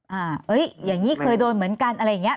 เอ้ยอย่างนี้เคยโดนเหมือนกันอะไรอย่างเงี้